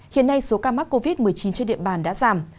hiện nay số ca mắc covid một mươi chín trên địa bàn đã giảm